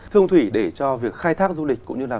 thương thủy để cho việc khai thác du lịch cũng như là